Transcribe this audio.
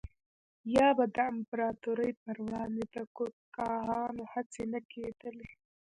یا به د امپراتورۍ پروړاندې د کودتاګانو هڅې نه کېدلې